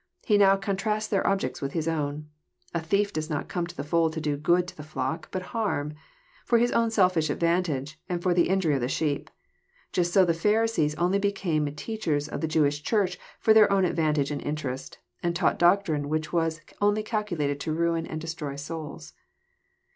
He now contrasts their objects with His own. A thief does not come to the fold to do good to the flock, but harm ; for his own selfish advantage, and for the injury of the sheep. Just so the Pharisees only became teachers of the Jewish Church for their own advantage and interest, and taught doctrine which was only calculated to ruin and destroy souls.